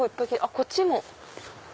こっちも。